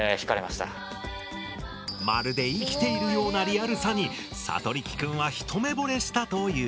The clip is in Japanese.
まるで生きているようなリアルさにサトリキくんは一目ぼれしたという。